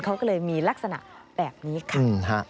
เขาก็เลยมีลักษณะแบบนี้ค่ะ